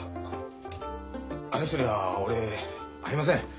あの人には俺合いません。